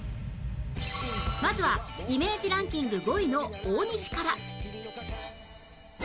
まずはイメージランキング５位の大西から